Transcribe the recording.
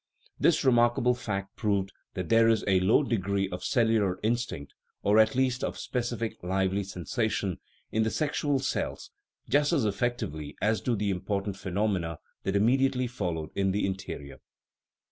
This remarkable fact proved that there is a low degree of "cellular instinct" (or, at least, of specific, lively sensation) in the sexual cells just as effectively as do the important phenomena that immediately follow in their interior.